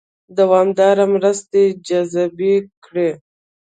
دوامدارې مرستې جذبې کړي.